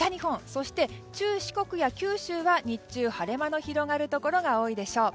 そして中四国や九州は日中、晴れ間の広がるところが多いでしょう。